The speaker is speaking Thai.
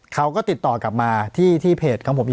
ปากกับภาคภูมิ